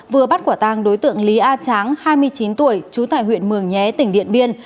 vừa bắt quả tang đối tượng lý a tráng hai mươi chín tuổi trú tại huyện mường nhé tỉnh điện biên